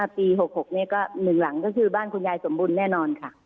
ปี๖๖นี้ก็๑หลังก็คือบ้านคุณยายสมบุญแน่นอนค่ะ